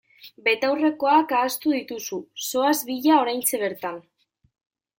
Betaurrekoak ahaztu dituzu, zoaz bila oraintxe bertan!